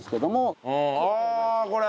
ああこれ！